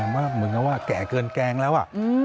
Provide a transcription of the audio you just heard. เหมือนกับว่าแก่เกินแกงแล้ว